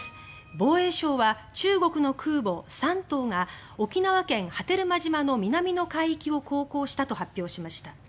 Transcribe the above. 防衛省は、中国の空母「山東」が沖縄県・波照間島の南の海域を航行したと発表しました。